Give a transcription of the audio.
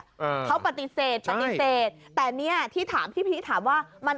เขาปฏิเสธปฏิเสธแต่นี่ที่พี่ถามว่า